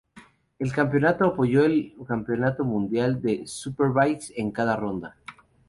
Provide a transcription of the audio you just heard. El campeonato apoyó el Campeonato Mundial de Superbikes en cada ronda.